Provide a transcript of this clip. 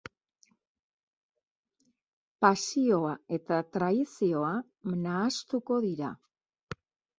Pasioa eta traizioa nahastuko dira.